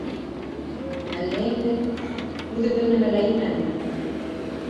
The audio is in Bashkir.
Әллә инде... үҙе бер нәмә лә әйтмәнеме?